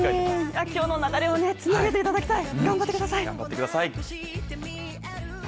今日の流れをつなげていただきたい。